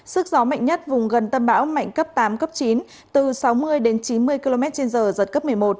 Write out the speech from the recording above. sức gió mạnh nhất vùng gần tâm bão mạnh cấp tám cấp chín từ sáu mươi đến chín mươi km trên giờ giật cấp một mươi một